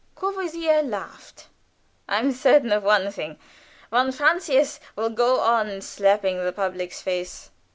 Courvoisier laughed. "I'm certain of one thing: von Francius will go on slapping the public's face.